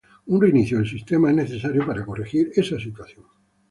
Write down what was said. Un reinicio del sistema es necesario para corregir esa situación.